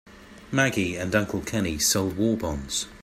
Maggie and Uncle Kenny sold war bonds.